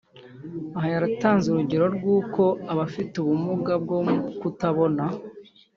Aha yatanze urugero rw’uko abafite ubumuga bwo kutabona